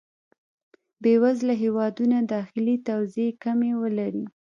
بې وزله هېوادونه داخلي توزېع کمی ولري.